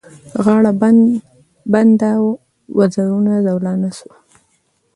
غاړه بنده وزرونه زولانه سوه